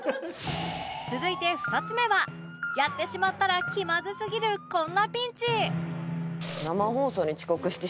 続いて２つ目はやってしまったら気まずすぎるこんなピンチ